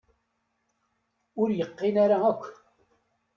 Ur yeqqin ara akk.